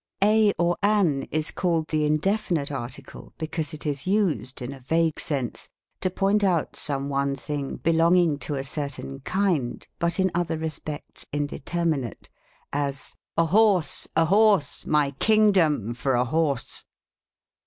A or an is called the indefinite article, because it is used, in a vague sense, to point out some one thing be longing to a certain kind, but in other respects indetei* minate ; as, " A horse, a horse, my kingdom for a horse